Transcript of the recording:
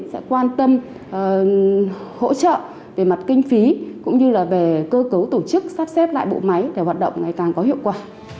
sẽ quan tâm hỗ trợ về mặt kinh phí cũng như là về cơ cấu tổ chức sắp xếp lại bộ máy để hoạt động ngày càng có hiệu quả